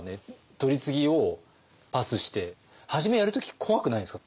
取り次ぎをパスして初めやる時怖くないですか？